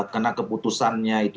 karena keputusannya itu